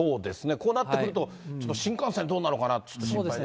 こうなってくると、ちょっと新幹線、どうなるかなってちょっと心配ですね。